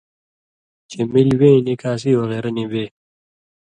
چے مِلیۡ وے ایں نِکاسی وغیرہ نی بے